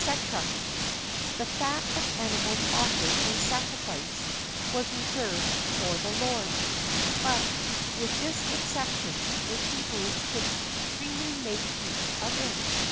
[XXX 1] The fat of animals offered in sacrifice was reserved for the Lord;[XXX 2] but, with this exception, the Hebrews could freely make use of it.